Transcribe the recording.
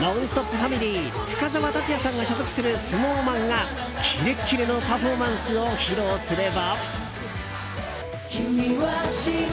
ファミリー深澤辰哉さんが所属するＳｎｏｗＭａｎがキレッキレのパフォーマンスを披露すれば。